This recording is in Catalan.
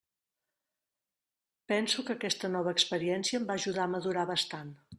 Penso que aquesta nova experiència em va ajudar a madurar bastant.